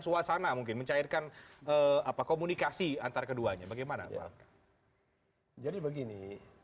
suasana mungkin mencairkan apa komunikasi antar keduanya bagaimana jadi begini